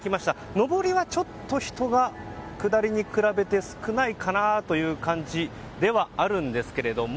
上りはちょっと人が下りに比べて少ないかなという感じではあるんですけども。